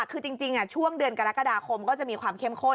คือจริงช่วงเดือนกรกฎาคมก็จะมีความเข้มข้น